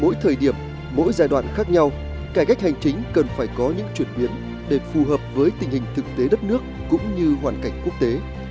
mỗi thời điểm mỗi giai đoạn khác nhau cải cách hành chính cần phải có những chuyển biến để phù hợp với tình hình thực tế đất nước cũng như hoàn cảnh quốc tế